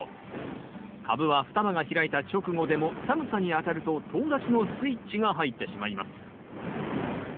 カブは双葉が開いた直後でも寒さにあたるととう立ちのスイッチが入ってしまいます。